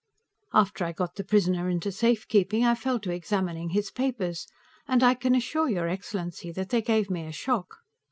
After I got the prisoner into safekeeping, I fell to examining his papers, and I can assure your excellency that they gave me a shock.